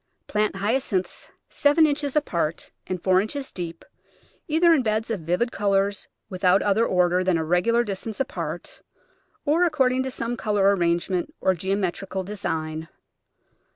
Plant Hyacinths seven inches apart and four inches deep, either in beds of vivid col ours without other order than a regular distance apart, or according to some colour arrangement or geomet rical design.